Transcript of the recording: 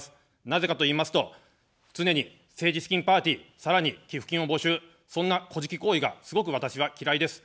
なぜかといいますと、常に政治資金パーティー、さらに寄付金を募集、そんな、こじき行為がすごく私は嫌いです。